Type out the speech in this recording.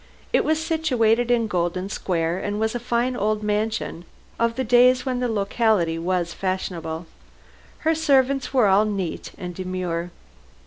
It was situated in Golden Square, and was a fine old mansion of the days when that locality was fashionable. Her servants were all neat and demure.